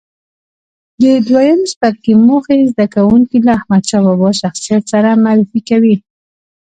د دویم څپرکي موخې زده کوونکي له احمدشاه بابا شخصیت سره معرفي کوي.